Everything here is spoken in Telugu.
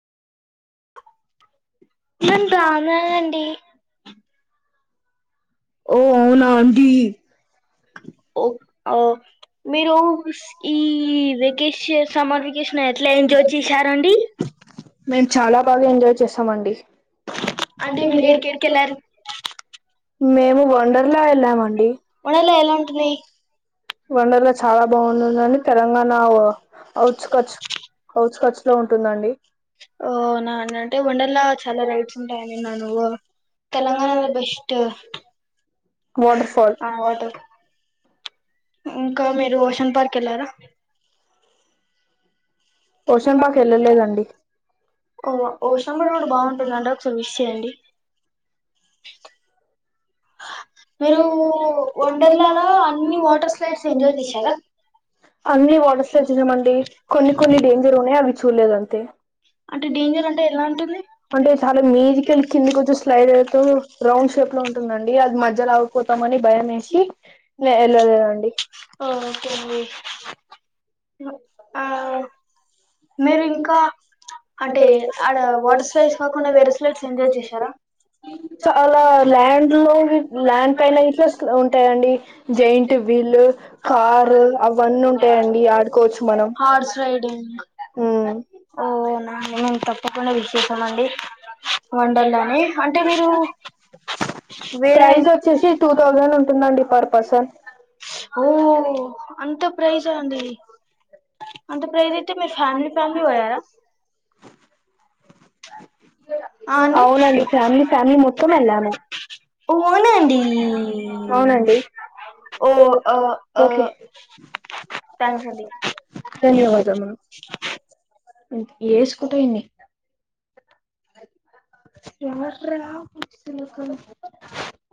నెన్ రాలేనండి ఓ అవునా అండి ఓ ఓ మీరు ఈ వెకేషన్ సమ్మర్ వెకేషన్ ఎట్లా ఎంజాయ్ చేసారండి మేము చాలా బాగా ఎంజాయ్ చేసామండి అంటే మీరు ఏడేడ్కిళ్ళారు మేము వండర్లా వెళ్ళామండి ఉండలా ఎలా ఉంటున్నాయి వండర్లా చాలా బాగుంటుందండి తెలంగాణ ఔట్కట్స్ ఔట్కట్స్ లో ఉంటుందండి ఒ అవునా అండి అంటె వండర్లా చ చాలా రైడ్స్ ఉంటాయని విన్నాను తెలంగాణ లో బెస్ట్ వాటర్ఫల్ ఆ వాటర్ ఇంకా మీరు ఓషన్ పార్క్ వెళ్ళారా ఓషన్పాకు వెళ్ళలేదండి ఓ అయ్యో ఓషన్ కూడా పార్క్ బాగుంటుందండి బాగుంటుందంట ఒకసారి విష్ చేయండి మీరు నేను వండర్లాలో అన్ని వాటర్ ఒకటే స్లైడ్స్ ఎంజాయ్ చేశారా సారి అన్ని వాటర్స్చ్చినామండి కొన్ని కొన్ని డేంజర్ ఉన్నాయి అవి చూడలేదు అంతే అంటే డేంజర్ అంటే ఎలా ఉంటుంది అంటే చాలా మ్యూజికల్ కింది కొం స్లైడ్ అవుతు రౌండ్ షేప్ ఉంటుందండి అది మధ్ ధ్యలో అగిపోతామని భయం వేసి ఇంగ వెళ్ళలేదండి ఓకే అండి ఆ మీరు ఇంకా అంటే ఆడ అలా వాటర్ స్లైడ్స్ వైజతకు కాకుండా వేరే స్లైడ్స్ వెై ఎంజాయ్ చేసార చేశారా చాల ల్యాండ్ లో ల్యాండ్ పైన ఇట్లా ఉంటాయండి జైంట్ వీల్ కార్ అవ్వని ఉంటాయండి ఆడుకోవచ్చు మనం హార్స్ రైడింగ్ మ్మ్ ఓనా మేము తప్పకుండా విశేసామండి వండన్డని అంటే మీరు వేళ ప్రైజ్ వచ్చేసి టూ థౌజండ్ ఉంటుందండి పర్ పర్సన్ ఓ అంత ప్రైజ్ అండి అంత ప్రైస్ అయితే మీ ఫ్యామిలీ ఫ్యామిలీ పోయారా? ఆ అండి అవునండి ఫ్యామిలీ ఫ్యామిలీ మొత్తం వెళ్ళాము. ఓన్నండి అవునండి అవునండి ఓ అ ఓకే థ్యాంక్స్ అండి ధన్యవాదము ఉ ఏసుకుంట ఇన్ని ఎవర్ రా ని కొడుకు